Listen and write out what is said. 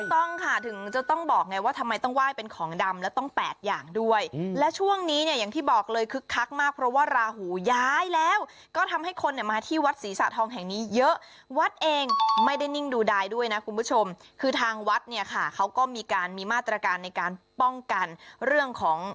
ต้องค่ะถึงจะต้องบอกไงว่าทำไมต้องไหว้เป็นของดำแล้วต้องแปดอย่างด้วยและช่วงนี้เนี่ยอย่างที่บอกเลยคึกคักมากเพราะว่าราหูย้ายแล้วก็ทำให้คนเนี่ยมาที่วัดศรีสะทองแห่งนี้เยอะวัดเองไม่ได้นิ่งดูดายด้วยนะคุณผู้ชมคือทางวัดเนี่ยค่ะเขาก็มีการมีมาตรการในการป้องกันเรื่องของ